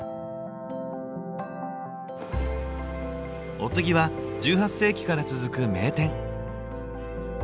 お次は１８世紀から続く名店。